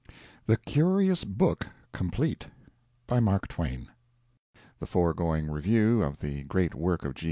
THE CURIOUS BOOK COMPLETE (The foregoing review of the great work of G.